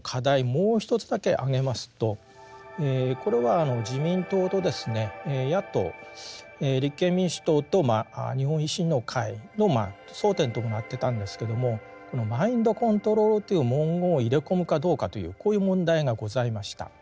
もう一つだけ挙げますとこれは自民党とですね野党立憲民主党と日本維新の会の争点ともなってたんですけどもこの「マインドコントロール」という文言を入れ込むかどうかというこういう問題がございました。